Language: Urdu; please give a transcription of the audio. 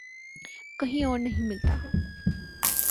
کہیں اور نہیں ملتا۔